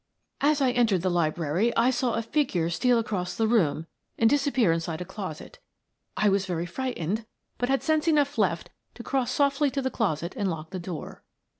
As I entered the library I saw a figure steal across the room and disappear inside a closet. I was very frightened, but had sense enough left to cross softly to the closet and lock the door."